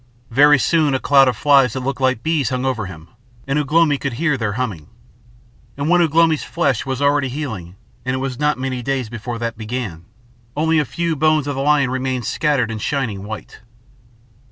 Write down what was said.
Very soon a cloud of flies that looked like bees hung over him, and Ugh lomi could hear their humming. And when Ugh lomi's flesh was already healing and it was not many days before that began only a few bones of the lion remained scattered and shining white.